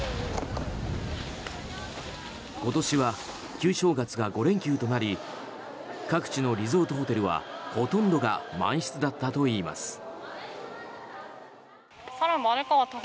今年は旧正月が５連休となり各地のリゾートホテルはほとんどが満室だったといいます。